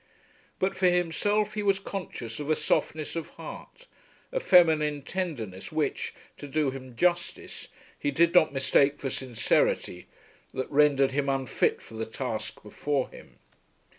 But for himself, he was conscious of a softness of heart, a feminine tenderness, which, to do him justice, he did not mistake for sincerity, that rendered him unfit for the task before him.